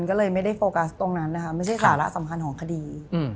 ก็เลยไม่ได้โฟกัสตรงนั้นนะคะไม่ใช่สาระสำคัญของคดี